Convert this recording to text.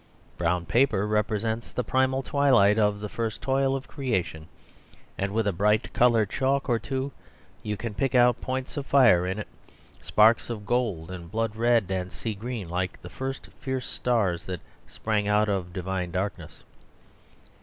Brown paper represents the primal twilight of the first toil of creation, and with a bright coloured chalk or two you can pick out points of fire in it, sparks of gold, and blood red, and sea green, like the first fierce stars that sprang out of divine darkness.